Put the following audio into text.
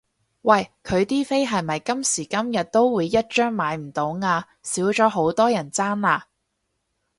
喂佢啲飛係咪今時今日都會一張買唔到啊？少咗好多人爭啦？